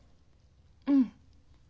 うん。